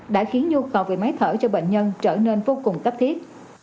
đã khiến nhu cầu về máy thở cho bệnh nhân trở nên vô cùng cấp thiết